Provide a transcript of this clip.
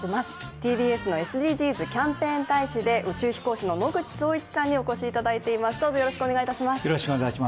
ＴＢＳのＳＤＧｓキャンペーン大使で宇宙飛行士の野口聡一さんにお越しいただいています、どうぞよろしくお願いいたします。